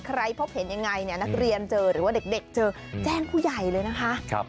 พบเห็นยังไงเนี่ยนักเรียนเจอหรือว่าเด็กเจอแจ้งผู้ใหญ่เลยนะคะ